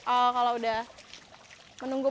oh kalau sudah menunggu